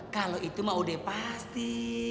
kalau itu mah udah pasti